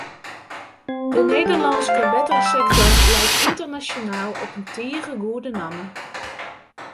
De Nederlânske wettersektor leit ynternasjonaal op in tige goede namme.